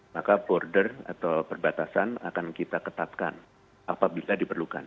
maka border atau perbatasan akan kita ketatkan apabila diperlukan